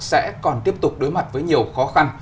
sẽ còn tiếp tục đối mặt với nhiều khó khăn